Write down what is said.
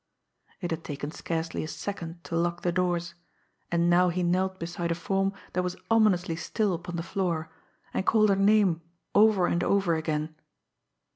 It had taken scarcely a second to lock the doors, and now he knelt beside a form that was ominously still upon the floor, and called her name over and over again.